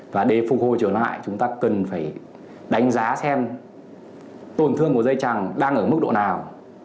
và để phục hồi trở lại chúng ta cần phải đánh giá xem tổn thương của dây chẳng đang ở mức độ nào